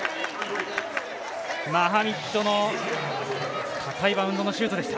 マハミッドの高いバウンドのシュートでした。